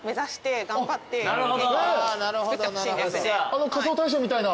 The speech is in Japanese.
あの『仮装大賞』みたいな。